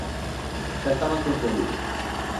Xa estaba concedido.